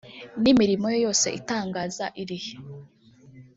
n'imirimo ye yose itangaza irihe